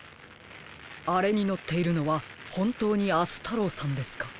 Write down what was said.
あれにのっているのはほんとうに明日太郎さんですか？